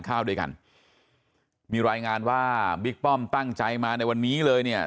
ข้าวด้วยกันมีรายงานว่าบิ๊กป้อมตั้งใจมาในวันนี้เลยเนี่ย